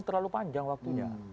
terlalu panjang waktunya